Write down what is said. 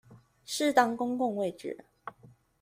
適當公共位置